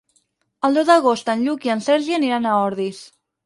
El deu d'agost en Lluc i en Sergi aniran a Ordis.